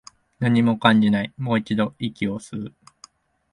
何も感じない、もう一度、息を吸う